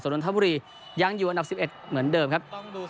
นนทบุรียังอยู่อันดับ๑๑เหมือนเดิมครับ